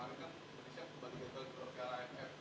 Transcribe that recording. ada sangat revolusi pssc